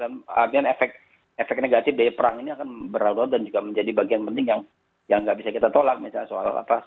kemudian efek negatif dari perang ini akan berlarut dan juga menjadi bagian penting yang nggak bisa kita tolak misalnya soal apa